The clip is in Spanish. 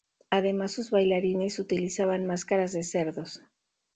Además sus bailarines utilizaban máscaras de cerdos.